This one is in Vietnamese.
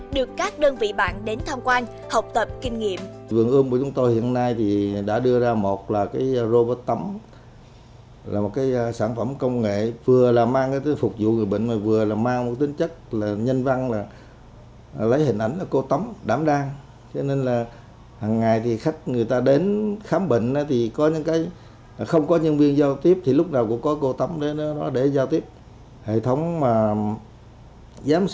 được các đơn vị bạn đến tham quan học tập kinh nghiệm